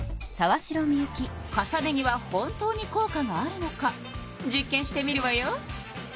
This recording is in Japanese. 重ね着は本当に効果があるのか実験してみるわよ。